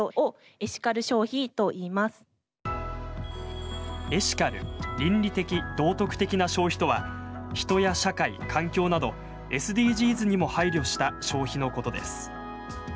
エシカル倫理的・道徳的な消費とは人や社会、環境などＳＤＧｓにも配慮した消費のことです。